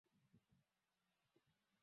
Vitu vingi wanavyo visema ni vya muhimu